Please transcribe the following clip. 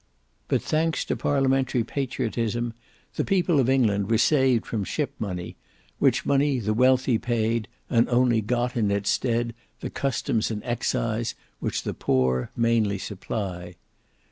But thanks to parliamentary patriotism, the people of England were saved from ship money, which money the wealthy paid, and only got in its stead the customs and excise, which the poor mainly supply.